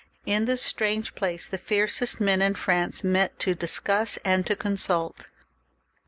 In this strange place the fiercest men in France met to discuss and to consult.